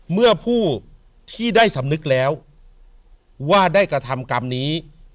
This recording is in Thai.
เมื่อผู้ที่ได้สำนึกแล้วว่าได้กระทำกรรมนี้